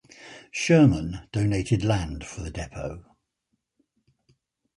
Sherman donated land for the depot.